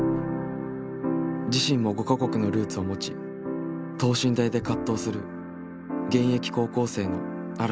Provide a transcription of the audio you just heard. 自身も５か国のルーツを持ち等身大で葛藤する現役高校生の嵐莉菜